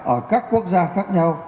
ở các quốc gia khác nhau